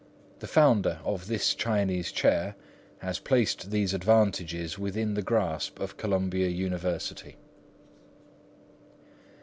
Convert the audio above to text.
The founder of this Chinese Chair has placed these advantages within the grasp of Columbia University.